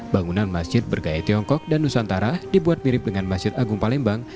bangunan masjid bergaya tiongkok dan nusantara dibuat mirip dengan masjid agung palembang